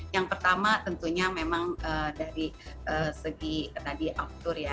yang pertama tentunya memang dari segi tadi aftur ya